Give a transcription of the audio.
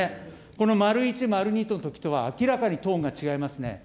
この丸１、丸２のときとは明らかにトーンが違いますね。